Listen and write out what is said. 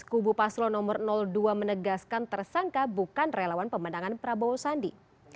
kubu paslo nomor dua menegaskan tersangka bukan relawan pemenangan prabowo sandi